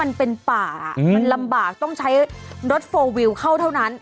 มันเป็นป่ามันลำบากต้องใช้รถโฟลวิวเข้าเท่านั้น